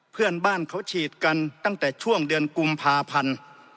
เพื่อนบ้านเขาฉีดกันตั้งแต่ช่วงเดือนกุมภาพันธ์